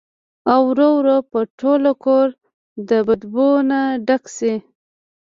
او ورو ورو به ټول کور د بدبو نه ډک شي